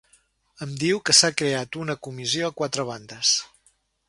Em diu que s’ha creat una comissió a quatre bandes.